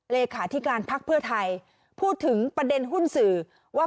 เลขาธิการพักเพื่อไทยพูดถึงประเด็นหุ้นสื่อว่า